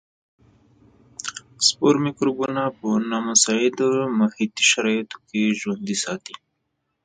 سپور مکروبونه په نامساعدو محیطي شرایطو کې ژوندي ساتي.